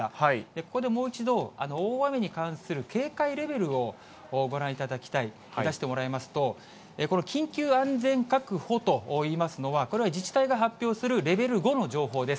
ここでもう一度、大雨に関する警戒レベルをご覧いただきたい、出してもらいますと、この緊急安全確保といいますのは、これは自治体が発表するレベル５の情報です。